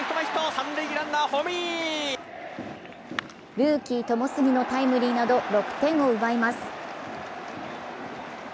ルーキー・友杉のタイムリーなど６点を奪います。